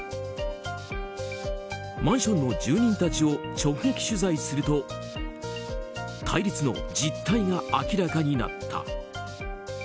マンションの住人たちを直撃取材すると対立の実態が明らかになった。